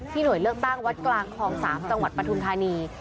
หน่วยเลือกตั้งวัดกลางคลอง๓จังหวัดปทุมธานี